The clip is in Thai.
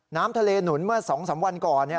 น้ำทะเลหนุนเมื่อ๒๓วันก่อน